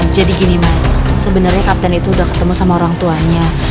jadi gini mas sebenarnya kapten itu udah ketemu sama orang tuanya